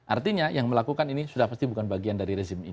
artinya yang melakukan ini sudah pasti bukan bagian dari rezim ini